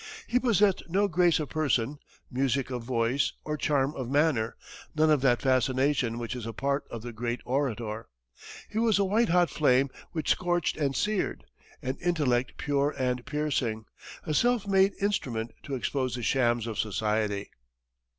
He possessed no grace of person, music of voice, or charm of manner, none of that fascination which is a part of the great orator. He was a white hot flame which scorched and seared, an intellect pure and piercing, a self made instrument to expose the shams of society.